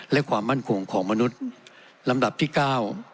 และความมั่นคงของมนุษย์ลำดับที่เก้า